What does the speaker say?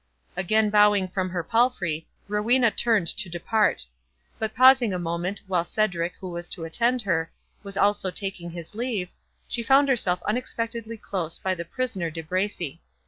Again bowing from her palfrey, Rowena turned to depart; but pausing a moment, while Cedric, who was to attend her, was also taking his leave, she found herself unexpectedly close by the prisoner De Bracy.